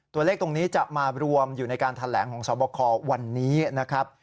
ตัวเลขตรงนี้จะมารวมอยู่ในการแถลงของสวบควันนี้นะครับ